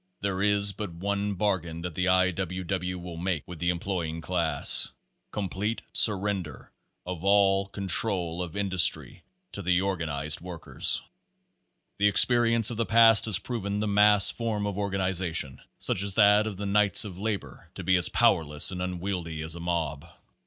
There is but one bargain that the I. W. W. will make with the employing class COMPLETE SURRENDER OF ALL CONTROL OF INDUSTRY TO THE ORGAN IZED WORKERS. The experience of the past has proven the mass form of organization, such as that of the Knights of Labor, to be as powerless and unwieldy as a mob.